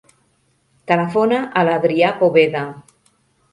Telefona a l'Adrià Poveda.